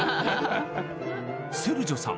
セルジョさん